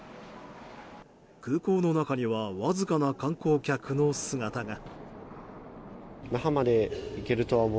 空港の中にはわずかな観光客の姿が。